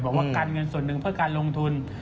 บอกว่าการเงินส่วนหนึ่งเพื่อการลงทุน